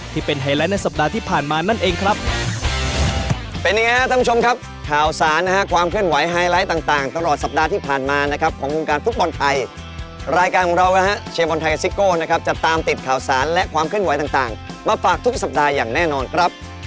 ไฮไลท์ในสัปดาห์ที่ผ่านมานั่นเองครับ